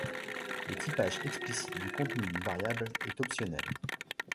Le typage explicite du contenu d'une variable est optionnel.